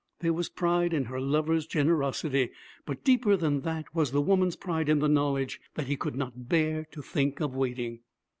There was pride in her lover's generosity. But deeper than that was the woman's pride in the knowledge that he could not 'bear to think of waiting.'